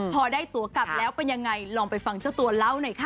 พอได้ตัวกลับแล้วเป็นยังไงลองไปฟังเจ้าตัวเล่าหน่อยค่ะ